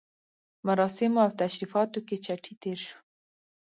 مراسمو او تشریفاتو کې چټي تېر شو.